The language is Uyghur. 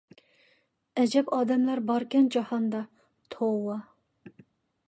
ئەجەب ئادەملەر باركەن جاھاندا، توۋا...